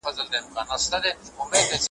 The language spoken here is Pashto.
د نریو اوبو مخ په بېل بندیږي ,